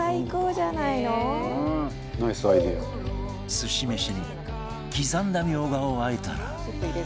すし飯に刻んだミョウガを和えたら